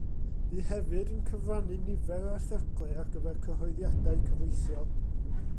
Bu hefyd yn cyfrannu nifer o erthyglau ar gyfer cyhoeddiadau cyfreithiol.